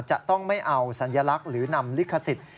จะต้องไม่เอาสัญลักษณ์หรือนำลิขสิทธิ์